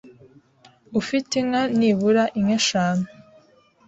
ufite inka nibura inka eshanu